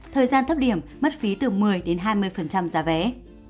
thời gian thấp điểm mất phí từ một mươi đến hai mươi giá vé